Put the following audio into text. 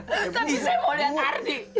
tapi saya mau lihat ardi